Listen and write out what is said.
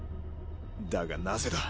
だがなぜだ？